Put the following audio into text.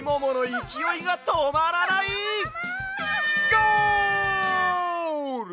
ゴール！